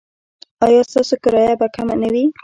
ایا ستاسو کرایه به کمه نه وي؟